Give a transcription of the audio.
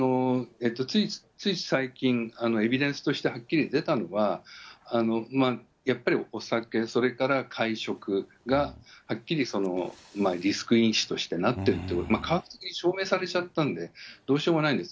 つい最近、エビデンスとしてはっきり出たのは、やっぱりお酒、それから会食がはっきりリスク因子としてなってるっていうこと、科学的に証明されちゃったので、どうしようもないんです。